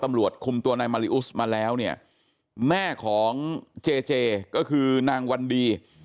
ตำรวจคุมตัวนายมาริอุสมาแล้วเนี่ยแม่ของเจเจก็คือนางวันดี